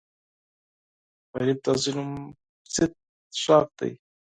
غریب د ظلم ضد غږ دی